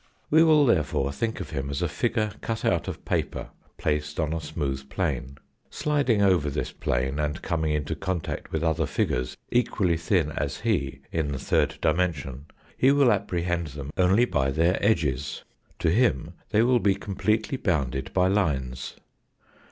We will therefore think of him as of a figure cut out of paper placed on a smooth plane. Sliding over this plane, and coming into contact with other figures equally thin as he in the third dimension, he will apprehend them only by their edges. To him they will be completely bounded by lines.